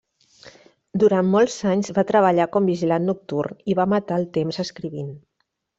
Durant molts anys va treballar com vigilant nocturn i va matar el temps escrivint.